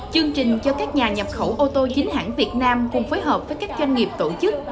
chương trình cho các nhà nhập khẩu ô tô chính hãng việt nam cùng phối hợp với các doanh nghiệp tổ chức